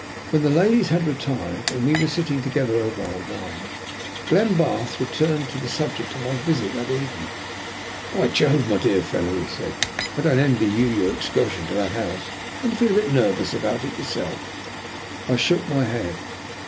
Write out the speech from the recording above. When the ladies had retired, and we were sitting together over our wine, Glenbarth returned to the subject of my visit that evening. "By Jove, my dear fellow," he said, "I don't envy you your excursion to that house. Don't you feel a bit nervous about it yourself?" I shook my head.